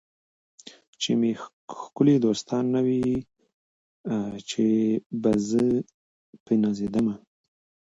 چي مي ښکلي دوستان نه وي چي به زه په نازېدمه